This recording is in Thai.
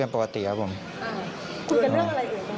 คุยกันเรื่องอะไรอื่นของมัน